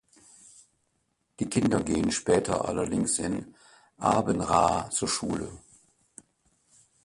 Die Kinder gehen später allerdings in Aabenraa zur Schule.